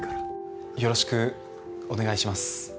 よろしくお願いします。